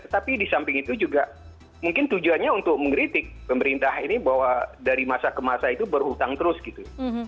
tapi di samping itu juga mungkin tujuannya untuk mengkritik pemerintah ini bahwa dari masa ke masa itu berhutang terus gitu